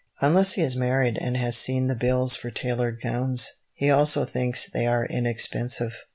Unless he is married and has seen the bills for tailored gowns, he also thinks they are inexpensive.